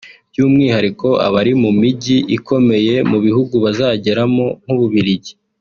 by’umwihariko abari mu mijyi ikomeye mu bihugu bazageramo nk’u Bubiligi